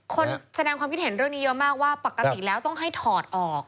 แสดงความคิดเห็นเรื่องนี้เยอะมากว่าปกติแล้วต้องให้ถอดออก